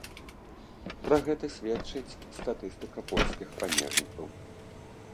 Пра гэта сведчыць статыстыка польскіх памежнікаў.